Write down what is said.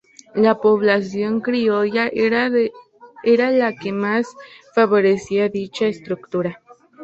La población criolla era la que más favorecía dicha estructura.